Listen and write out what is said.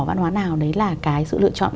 văn hóa nào đấy là cái sự lựa chọn